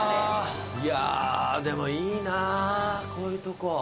いやでもいいなこういうとこ。